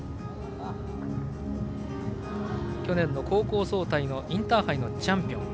去年の高校総体のインターハイのチャンピオン。